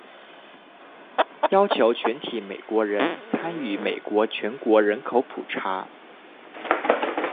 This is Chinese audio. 要求全体美国人参与美国全国人口普查。